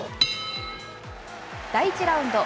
第１ラウンド。